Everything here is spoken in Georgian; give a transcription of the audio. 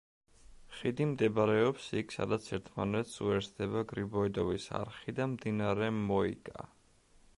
ხიდი მდებარეობს იქ სადაც ერთმანეთს უერთდება გრიბოედოვის არხი და მდინარე მოიკა.